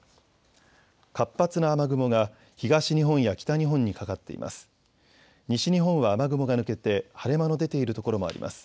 活発な雨雲が東日本や北日本にかかっています。